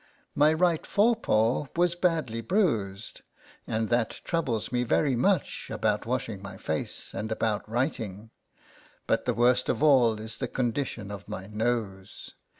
My right fore paw w r as badly bruised, and that troubles me very much about washing my face, and about writing. But the worst of all is the condition of my nose.